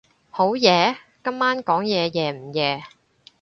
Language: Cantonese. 好夜？今晚講嘢夜唔夜？